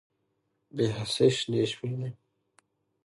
بې حسۍ شنې شوې